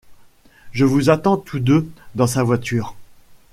Je vous attends tous deux dans sa voiture.